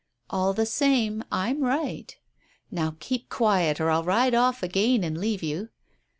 "All the same I'm right." "Now keep quiet, or I'll ride off again and leave you."